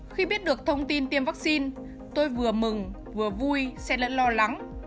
khi biết được thông tin tiêm vaccine tôi vừa mừng vừa vui xe lẫn lo lắng